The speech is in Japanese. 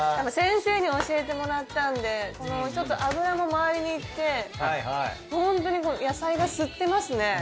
先生に教えてもらったんでこのちょっと脂も周りに行ってホントにこの野菜が吸ってますね。